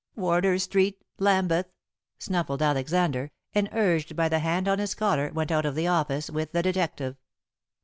"Warder Street, Lambeth," snuffled Alexander, and urged by the hand on his collar, went out of the office with the detective.